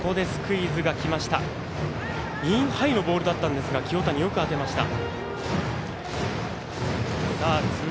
インハイのボールだったんですが清谷、よく当てました。